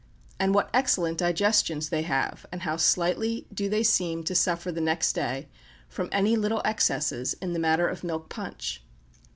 And what excellent digestions they have, and how slightly do they seem to suffer the next day from any little excesses in the matter of milk punch!